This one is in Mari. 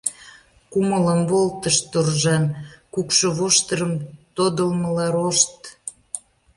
Кумылым волтышт торжан, кукшо воштырым тодылмыла — рошт.